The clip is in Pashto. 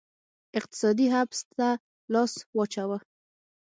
اقتصادي حبس ته لاس واچاوه